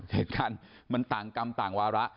เหตุการณ์มันต่างกรรมต่างวาระ